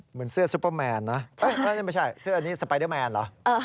เหมือนเสื้อซุปเปอร์แมนนะไม่ใช่เสื้ออันนี้สไปเดอร์แมนเหรอ